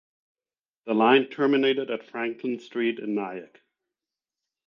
The line terminated at Franklin Street in Nyack.